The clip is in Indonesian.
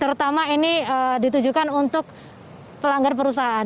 terutama ini ditujukan untuk pelanggar yang berpengaruh